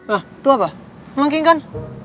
hah tuh apa mengking kan